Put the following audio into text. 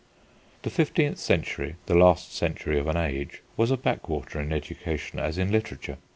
The fifteenth century, the last century of an age, was a backwater in education as in literature.